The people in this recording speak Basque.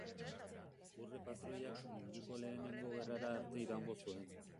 Urre-patroiak Munduko Lehenengo Gerrara arte iraungo zuen.